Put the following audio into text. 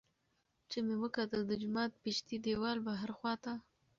چې مې وکتل د جومات پشتۍ دېوال بهر خوا ته